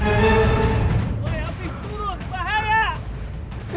woy api turun bahaya